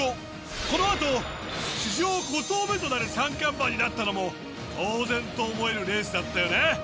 この後史上５頭目となる三冠馬になったのも当然と思えるレースだったよね。